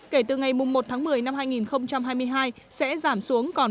kể từ ngày một tháng một mươi năm hai nghìn hai mươi hai sẽ giảm xuống còn ba mươi